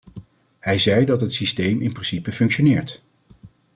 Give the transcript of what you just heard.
Hij zei dat het systeem in principe functioneert.